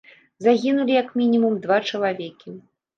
Загінулі, як мінімум, два чалавекі.